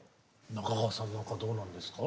中川さんなんかどうなんですか？